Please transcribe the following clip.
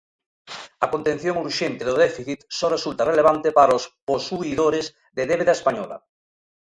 A contención urxente do déficit só resulta relevante para os posuidores de débeda española.